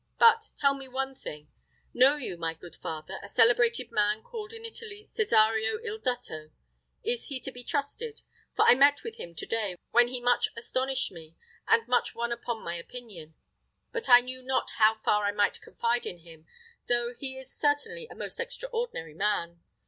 But, tell me one thing: know you, my good father, a celebrated man called in Italy Cesario il dotto? Is he to be trusted? For I met with him to day, when he much astonished me, and much won upon my opinion; but I knew not how far I might confide in him, though he is certainly a most extraordinary man."